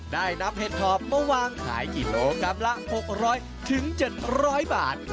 ได้นำเห็ดถอบมาวางขายกิโลกรัมละ๖๐๐๗๐๐บาท